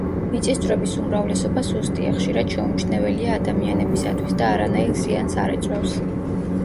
მიწისძვრების უმრავლესობა სუსტია, ხშირად შეუმჩნეველია ადამიანებისათვის და არანაირ ზიანს არ იწვევს.